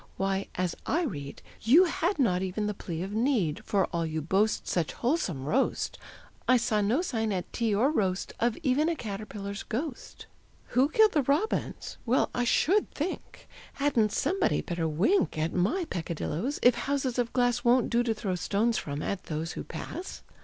Why, as I read, You had not even the plea of need; For all you boast Such wholesome roast, I saw no sign at tea or roast, Of even a caterpillar's ghost. "Who killed the robins? Well, I should think! Hadn't somebody better wink At my peccadillos, if houses of glass Won't do to throw stones from at those who pass?